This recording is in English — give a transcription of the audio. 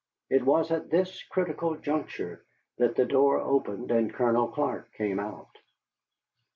It was at this critical juncture that the door opened and Colonel Clark came out.